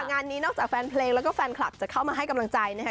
งานนี้นอกจากแฟนเพลงแล้วก็แฟนคลับจะเข้ามาให้กำลังใจนะคะ